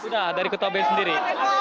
sudah dari ketua bim sendiri